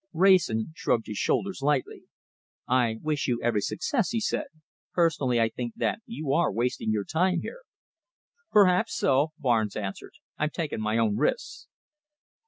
Wrayson shrugged his shoulders slightly. "I wish you every success," he said. "Personally, I think that you are wasting your time here." "Perhaps so," Barnes answered. "I'm taking my own risks."